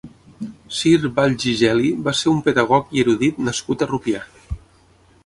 Cir Valls i Geli va ser un pedagog i erudit nascut a Rupià.